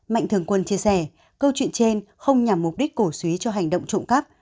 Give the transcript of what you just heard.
mạnh thường quân chia sẻ câu chuyện trên không nhằm mục đích cổ suý cho hành động trộm cắp